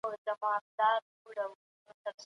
د کتابتون څېړنه د پخوانیو معلوماتو پر بنسټ کیږي.